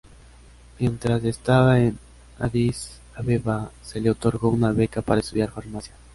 Mientras estaba en Addis Abeba, se le otorgó una beca para estudiar farmacia.